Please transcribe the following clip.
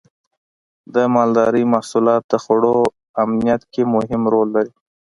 د مالدارۍ محصولات د خوړو امنیت کې مهم رول لري.